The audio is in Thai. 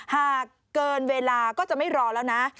หากเกินเวลาก็จะไม่รอแล้วนะ